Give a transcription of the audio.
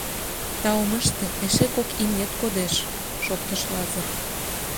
— Таум ыште, эше кок имнет кодеш, — шоктыш Лазыр.